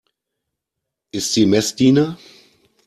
Ist sie Messdiener?